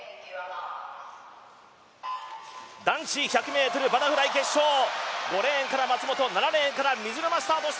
男子１００ｍバタフライ決勝、５レーンから松元７レーンから水沼がスタート。